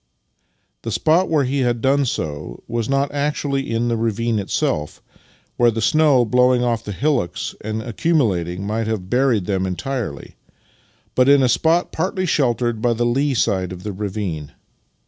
The spot where he had done so was not actu ally in the ravine itself, where the snow blowing off the hillocks and accumulating might have buried them entirely, but in a spot partly shelt ered by the lee side of the ravine.